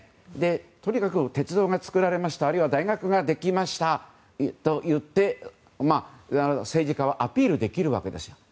とにかく鉄道が造られましたあるいは大学ができましたといって政治家はアピールできるわけです。